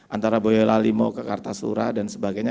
antara boyolalimo ke kartasura dan sebagainya